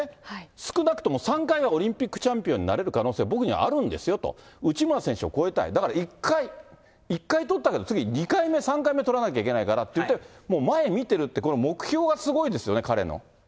少なくとも３回はオリンピックチャンピオンになれる可能性、僕にはあるんですよと、内村選手を超えたい、だから、１回とったけど、次２回目、３回目とらなきゃいけないからって言って、もう前見てるって、目すごいですね。